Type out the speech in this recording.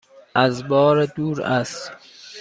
از بار دور است؟